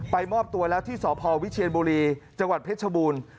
มอบตัวแล้วที่สพวิเชียนบุรีจังหวัดเพชรชบูรณ์